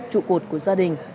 trụ cột của gia đình